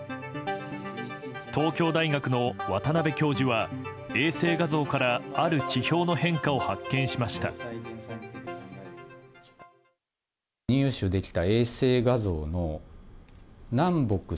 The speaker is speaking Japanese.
東京大学の渡邉教授は衛星画像からある地表の変化を発見しました。